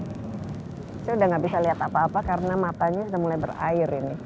saya sudah tidak bisa lihat apa apa karena matanya sudah mulai berair ini